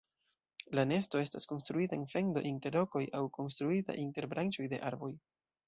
La nesto estas konstruita en fendo inter rokoj aŭ konstruita inter branĉoj de arboj.